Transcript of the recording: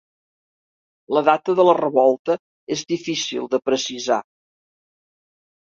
La data de la revolta és difícil de precisar.